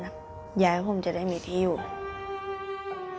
อยากให้ผมจะได้มีที่อยู่